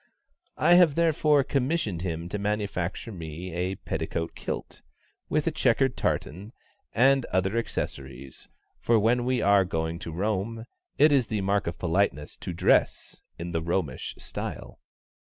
I have therefore commissioned him to manufacture me a petticoat kilt, with a chequered tartan, and other accessories, for when we are going to Rome, it is the mark of politeness to dress in the Romish style.